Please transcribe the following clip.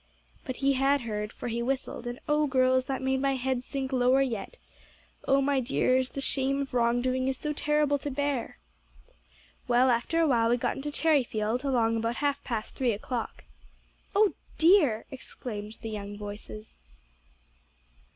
But he had heard, for he whistled; and oh, girls, that made my head sink lower yet. Oh my dears, the shame of wrong doing is so terrible to bear! "Well, after a while we got into Cherryfield, along about half past three o'clock." "Oh dear!" exclaimed the young voices.